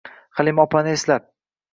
Halima opani eslab...